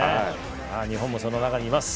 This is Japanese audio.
日本もその中にいます。